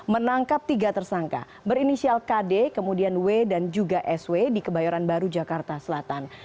menangkap tiga tersangka berinisial kd kemudian w dan juga sw di kebayoran baru jakarta selatan